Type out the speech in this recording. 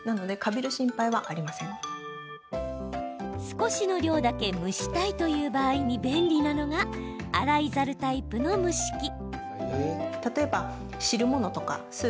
少しの量だけ蒸したいという場合に便利なのが浅いざるタイプの蒸し器。